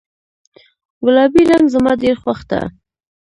ګلابي رنګ زما ډیر خوښ ده